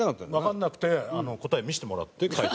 わかんなくて答え見せてもらって書いた。